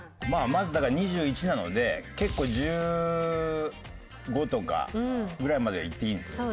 まず２１なので結構１５とかぐらいまではいっていいんですよ。